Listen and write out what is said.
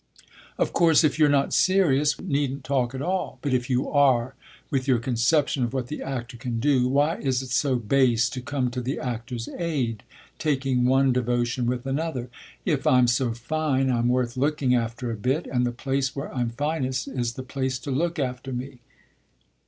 Of course if you're not serious we needn't talk at all; but if you are, with your conception of what the actor can do, why is it so base to come to the actor's aid, taking one devotion with another? If I'm so fine I'm worth looking after a bit, and the place where I'm finest is the place to look after me!"